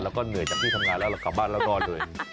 แล้วก็เหนื่อยจากที่ทำงานแล้วเรากลับบ้านแล้วรอดเลย